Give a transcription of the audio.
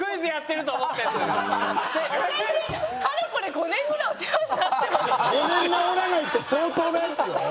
５年治らないって相当なやつよ。